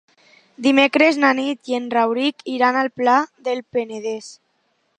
Dimecres na Nit i en Rauric iran al Pla del Penedès.